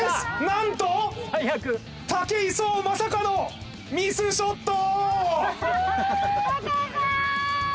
なんと武井壮まさかのミスショット！